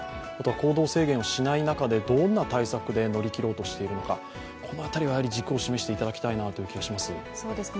行動制限をしない中でどんな対策で乗り切ろうとしているのかこの辺りは軸を示してもらいたいなと思います。